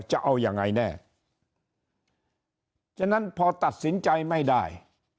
จะเอายังไงแน่ฉะนั้นพอตัดสินใจไม่ได้